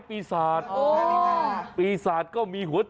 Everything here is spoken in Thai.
เป็นไงเฮ้ยเฮ้ยเฮ้ย